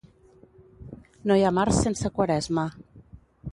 No hi ha març sense Quaresma.